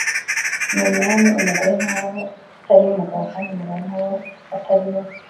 n Umwami umugore ntabaho hatariho umugabo kandi umugabo ntabaho hatariho